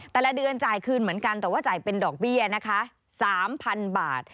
แต่ละเดือนจ่ายคืนเหมือนกันแต่ว่าจ่ายเป็นดอกเบี้ยนะคะ๓๐๐๐บาท